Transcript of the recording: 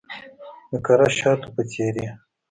د کره شاتو په څیرې